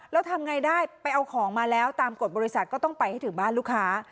แล้วทำไงได้ไปเอาของมาแล้วตามกฎบริษัทก็ต้องไปให้ถึงบ้านลูกค้า